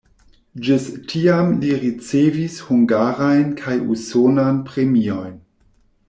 Ĝis tiam li ricevis hungarajn kaj usonan premiojn.